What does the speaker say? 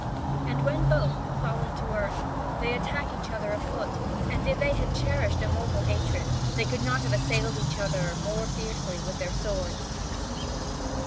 And when both have fallen to earth, they attack each other afoot; and if they had cherished a mortal hatred, they could not have assailed each other more fiercely with their swords.